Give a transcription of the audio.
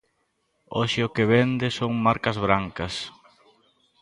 Hoxe o que se vende son marcas brancas.